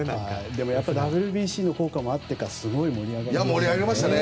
でもＷＢＣの効果もあってかすごい盛り上がりましたね。